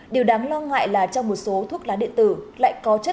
điều đáng lo ngại là trong một số thuốc lá đệ tử lại có chất ma túy